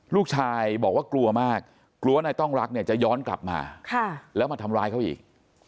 ลูกชายบอกว่ากลัวมากกลัวว่านายต้องรักเนี่ยจะย้อนกลับมาแล้วมาทำร้ายเขาอีก